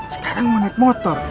sekarang mau naik motor